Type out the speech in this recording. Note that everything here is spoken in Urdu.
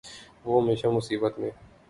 وہ ہمیشہ مصیبت میں